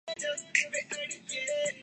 چولہے ایسے ہی ہوتے ہوں